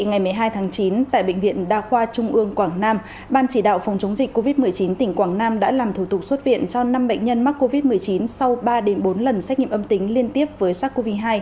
ngày một mươi hai tháng chín tại bệnh viện đa khoa trung ương quảng nam ban chỉ đạo phòng chống dịch covid một mươi chín tỉnh quảng nam đã làm thủ tục xuất viện cho năm bệnh nhân mắc covid một mươi chín sau ba bốn lần xét nghiệm âm tính liên tiếp với sars cov hai